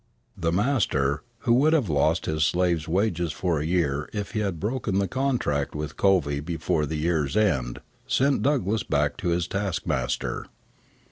The master, who would have lost his slave's wages for a year if he had broken the contract with Covey before the year's end, sent Douglass back to his taskmaster.